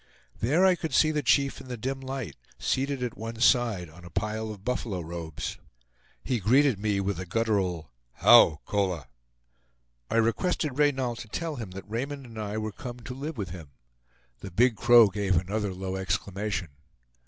There I could see the chief in the dim light, seated at one side, on a pile of buffalo robes. He greeted me with a guttural "How, cola!" I requested Reynal to tell him that Raymond and I were come to live with him. The Big Crow gave another low exclamation.